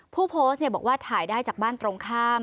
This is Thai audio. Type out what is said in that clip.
ผู้โพสต์บอกว่าถ่ายได้จากบ้านตรงข้าม